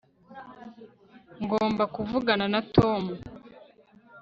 ngomba kuvugana na tom